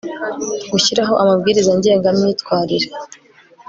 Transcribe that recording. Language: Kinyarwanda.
gushyiraho amabwiriza ngengamyitwarire